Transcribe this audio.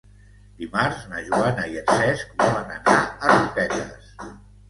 Dimarts na Joana i en Cesc volen anar a Roquetes.